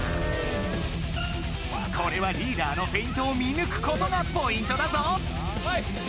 これはリーダーのフェイントを見ぬくことがポイントだぞ！